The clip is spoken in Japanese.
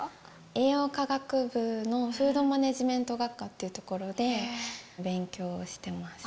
栄養科学部のフード・マネジメント学科というところで、勉強をしてます。